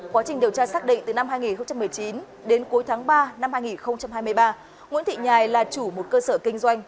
quá trình điều tra xác định từ năm hai nghìn một mươi chín đến cuối tháng ba năm hai nghìn hai mươi ba nguyễn thị nhài là chủ một cơ sở kinh doanh